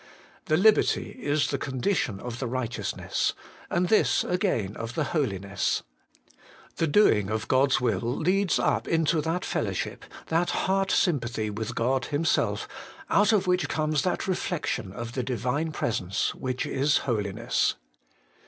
1 The liberty is the condition of the righteousness ; and this again of the holiness. The doing of God's will leads up into that fellowship, that heart sym pathy with God Himself, out of which comes that reflection of the Divine Presence, which is Holiness.